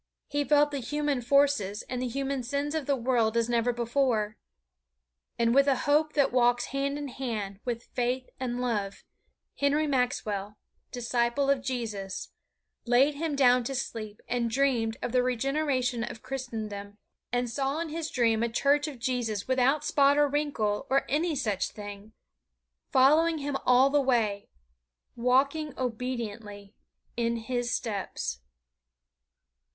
He felt the human forces and the human sins of the world as never before. And with a hope that walks hand in hand with faith and love Henry Maxwell, disciple of Jesus, laid him down to sleep and dreamed of the regeneration of Christendom, and saw in his dream a church of Jesus without spot or wrinkle or any such thing, following him all the way, walking obediently in His steps.